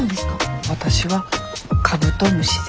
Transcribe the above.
わたしはカブトムシで。